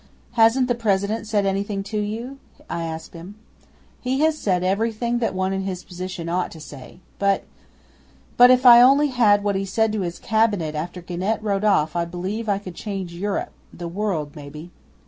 '"Hasn't the President said anything to you?" I asked him. '"He has said everything that one in his position ought to say, but but if only I had what he said to his Cabinet after Genet rode off I believe I could change Europe the world, maybe."